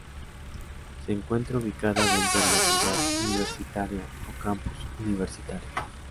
Se encuentra ubicada dentro de la Ciudad Universitaria o Campus Universitario.